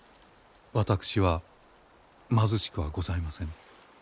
私は貧しくはございません。